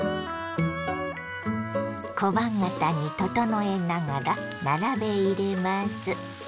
小判形に整えながら並べ入れます。